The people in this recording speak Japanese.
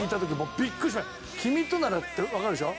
『君となら』ってわかるでしょ？